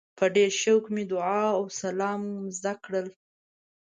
په ډېر شوق مې دعا او سلام زده کړل.